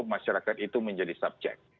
masyarakat itu menjadi subjek